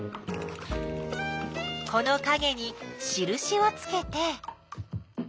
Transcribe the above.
このかげにしるしをつけて。